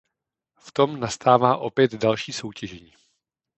V tom nastává opět další soutěžení.